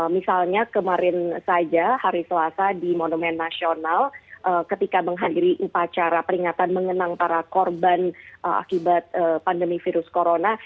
misalnya kemarin saja hari selasa di monumen nasional ketika menghadiri upacara peringatan mengenang para korban akibat pandemi virus corona